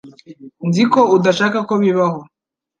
Nzi ko udashaka ko bibaho